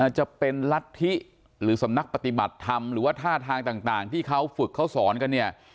จะเป็นรัฐธิหรือสำนักปฏิบัติธรรมหรือว่าท่าทางต่างที่เขาฝึกเขาสอนกันเนี่ย